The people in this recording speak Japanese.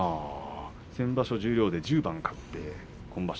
先場所十両で１０番勝って今場所